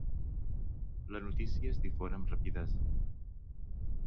La notícia es difon amb rapidesa.